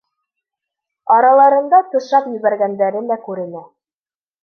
Араларында тышап ебәргәндәре лә күренә.